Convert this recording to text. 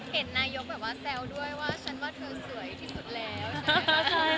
เห็นนายยกแซวด้วยว่าเชิญว่าเธอสวยที่สุดแล่ว